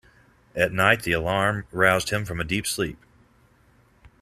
At night the alarm roused him from a deep sleep.